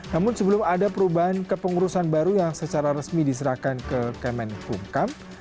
namun sebelum ada perubahan ke pengurusan baru yang secara resmi diserahkan ke kemen pumkam